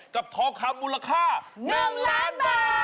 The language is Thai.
ทองคำมูลค่า๑ล้านบาท